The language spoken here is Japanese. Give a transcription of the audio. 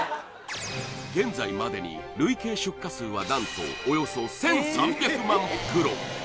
現在までに累計出荷数は何とおよそ１３００万袋